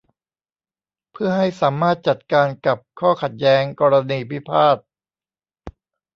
เพื่อให้สามารถจัดการกับข้อขัดแย้งกรณีพิพาท